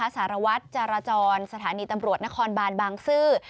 สารวัตรจรจรสถานีตำรวจนครบานบางซื่อ